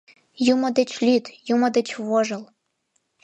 Юмо деч лӱд, юмо деч вожыл!